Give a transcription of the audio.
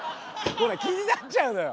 ごめん気になっちゃうのよ。